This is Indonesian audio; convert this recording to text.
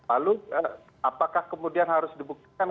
lalu apakah kemudian harus dibuktikan